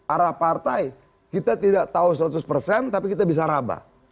arah partai kita tidak tahu seratus persen tapi kita bisa rabah